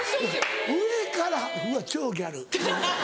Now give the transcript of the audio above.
上から「うわ超ギャル」。